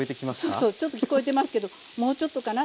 そうそうちょっと聞こえてますけどもうちょっとかな？